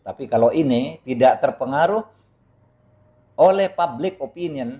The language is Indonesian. tapi kalau ini tidak terpengaruh oleh public opinion